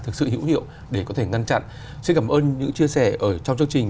chiếm đoạt tài sản